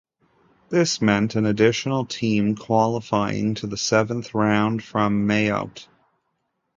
This meant an additional team qualifying to the seventh round from Mayotte.